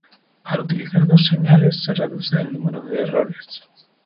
Al utilizar dos señales, se reduce el número de errores.